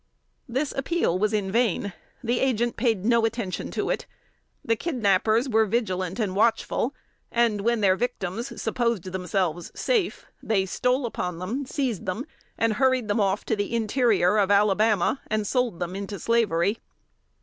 This appeal was in vain. The Agent paid no attention to it. The kidnappers were vigilant and watchful, and when their victims supposed themselves safe, they stole upon them, seized them, and hurried them off to the interior of Alabama, and sold them into slavery.